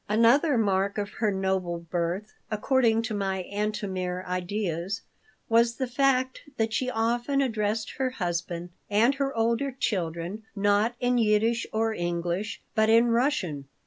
Another mark of her noble birth, according to my Antomir ideas, was the fact that she often addressed her husband and her older children, not in Yiddish or English, but in Russian.